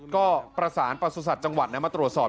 ก็ประสานประสุทธิ์จังหวัดมาตรวจสอบ